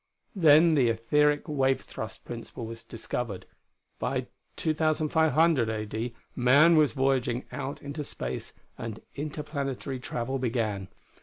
Then the etheric wave thrust principle was discovered: by 2500 A.D. man was voyaging out into space and Interplanetary travel began.